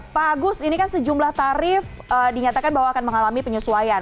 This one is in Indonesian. pak agus ini kan sejumlah tarif dinyatakan bahwa akan mengalami penyesuaian